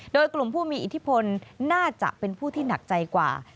โดยกลุ่มผู้มีอิทธิพลน่าจะเป็นผู้ที่หนักใจกว่า